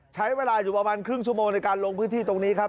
ใช้เวลาอยู่ประมาณครึ่งชั่วโมงในการลงพื้นที่ตรงนี้ครับ